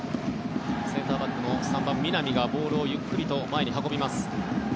センターバックの３番、南がボールをゆっくりと前に運びます。